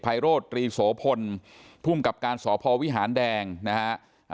ภัยโรธตรีโสพลภูมิกับการสพวิหารแดงนะฮะ